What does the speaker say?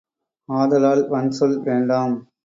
ஆதலால் வன்சொல் வேண்டாம்!